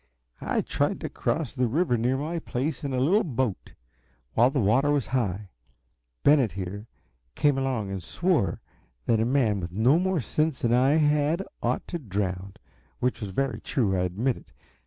I tried to cross the river near my place in a little boat, while the water was high. Bennett, here, came along and swore that a man with no more sense than I had ought to drown which was very true, I admit.